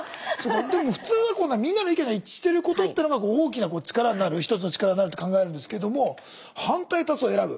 でも普通はみんなの意見が一致してることというのが大きな力になる一つの力になるって考えるんですけども反対多数を選ぶ。